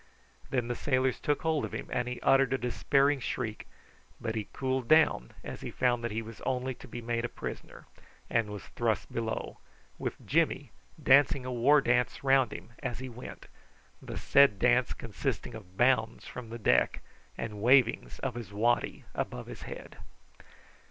Then the sailors took hold of him, and he uttered a despairing shriek; but he cooled down as he found that he was only to be made a prisoner, and was thrust below, with Jimmy dancing a war dance round him as he went, the said dance consisting of bounds from the deck and wavings of his waddy about his head.